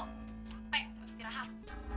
sampai musti rahat